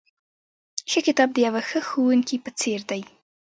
ښه کتاب د یوه ښه ښوونکي په څېر دی.